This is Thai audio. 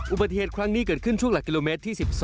อุบัติเหตุครั้งนี้เกิดขึ้นช่วงหลักกิโลเมตรที่๑๒